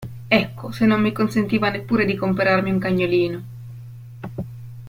Ecco, se non mi consentiva neppure di comperarmi un cagnolino.